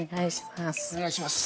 お願いします。